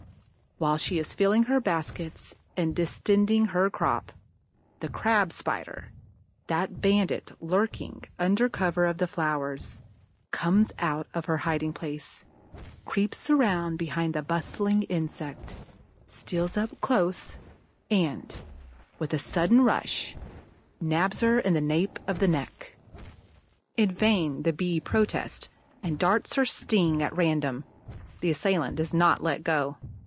While she is filling her baskets and distending her crop, the Crab spider, that bandit lurking under cover of the flowers, comes out of her hiding place, creeps round behind the bustling insect, steals up close, and, with a sudden rush, nabs her in the nape of the neck. In vain the Bee protests and darts her sting at random; the assailant does not let go.